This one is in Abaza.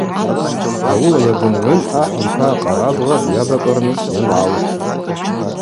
Ауыла йагвынгӏвын ахӏ йпа акъарабгъа дгӏайабакӏырныс йангӏалтӏ.